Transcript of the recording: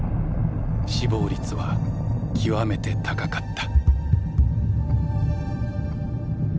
死亡率は極めて高かった。